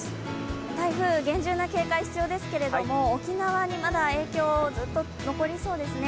台風厳重な警戒必要ですけども沖縄に影響がずっと残りそうですね。